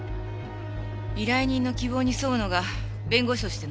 依頼人の希望に沿うのが弁護士としての義務よ。